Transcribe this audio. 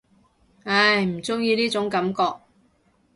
唉，唔中意呢種感覺